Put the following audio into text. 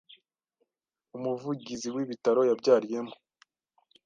Umuvugizi w’ibitaro yabyariyemo